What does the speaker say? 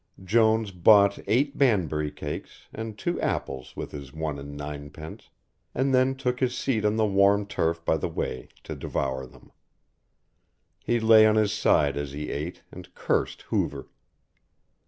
Jones bought eight Banbury cakes and two apples with his one and nine pence, and then took his seat on the warm turf by the way to devour them. He lay on his side as he ate and cursed Hoover.